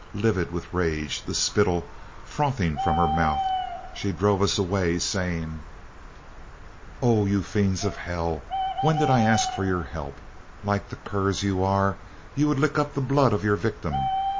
Livid with rage, the spittle frothing from her mouth, she drove us away, saying: "'Oh, you fiends of hell, when did I ask your help? Like the curs you are, you would lick up the blood of your victim!